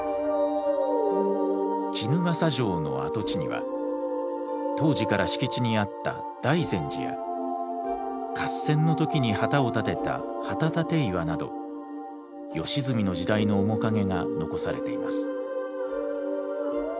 衣笠城の跡地には当時から敷地にあった大善寺や合戦の時に旗を立てた旗立岩など義澄の時代の面影が残されています。